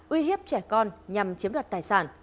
uy hiếp trẻ con nhằm chiếm đoạt tài sản